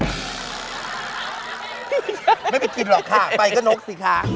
ไม่ไปกินหรอกค่ะไปก็นกสิคะ